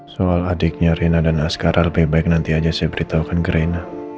soal adiknya rina dan askara lebih baik nanti aja saya beritahukan ke rina